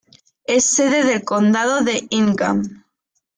Es sede del condado de Ingham.